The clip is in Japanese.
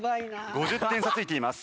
５０点差ついています。